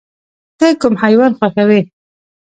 ته کوم حیوان خوښوې؟